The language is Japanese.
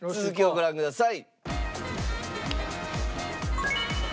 続きをご覧ください。